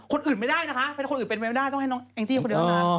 คนอื่นไม่ได้นะคะเพราะฉะนั้นคนอื่นเป็นไม่ได้ต้องให้น้องแองจี้คนเดียวกัน